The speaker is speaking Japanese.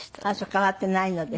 変わっていないので。